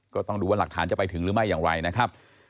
ก็ต้องดูว่าหลักฐานจะไปถึงหรือไม่อย่างไรนะครับ